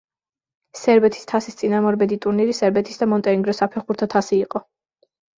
სერბეთის თასის წინამორბედი ტურნირი სერბეთის და მონტენეგროს საფეხბურთო თასი იყო.